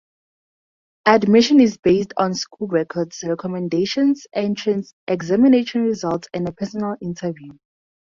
Admission is based on school records, recommendations, entrance examination results, and a personal interview.